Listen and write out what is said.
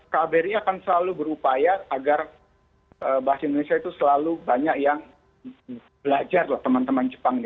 kbri akan selalu berupaya agar bahasa indonesia itu selalu banyak yang belajar loh teman teman jepang